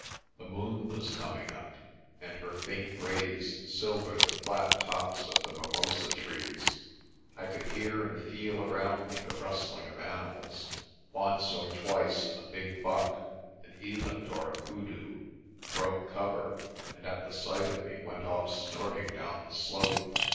The moon was coming up, and her faint rays silvered the flat tops of the mimosa trees. I could hear and feel around me the rustling of animals. Once or twice a big buck an eland or a koodoo broke cover, and at the sight of me went off snorting down the slope.